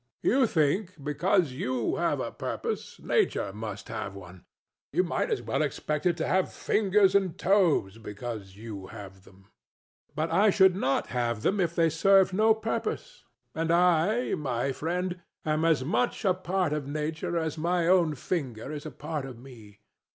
You think, because you have a purpose, Nature must have one. You might as well expect it to have fingers and toes because you have them. DON JUAN. But I should not have them if they served no purpose. And I, my friend, am as much a part of Nature as my own finger is a part of me.